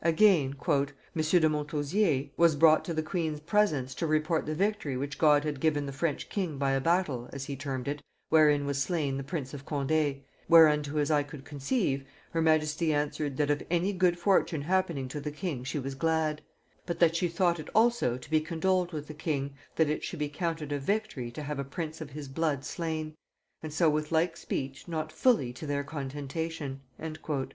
Again: "Monsieur de Montausier... was brought to the queen's presence to report the victory which God had given the French king by a battle, as he termed it, wherein was slain the prince of Condé; whereunto, as I could conceive, her majesty answered, that of any good fortune happening to the king she was glad; but that she thought it also to be condoled with the king, that it should be counted a victory to have a prince of his blood slain; and so with like speech, not fully to their contentation." [Note 67: Scrinia Ceciliana.